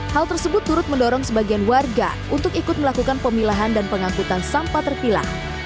hal tersebut turut mendorong sebagian warga untuk ikut melakukan pemilahan dan pengangkutan sampah terpilah